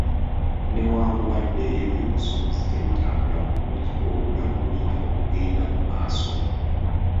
Newankubadde ebyobusuubuzi tebitambula bulungi, obulamu bulina okugenda mu maaso.